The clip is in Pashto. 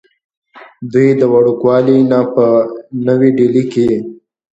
دوي د وړوکوالي نه پۀ نوي ډيلي کښې